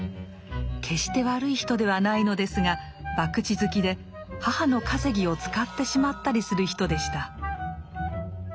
決して悪い人ではないのですが博打好きで母の稼ぎを使ってしまったりする人でした。